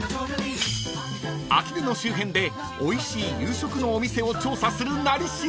［あきる野周辺でおいしい夕食のお店を調査する「なり調」］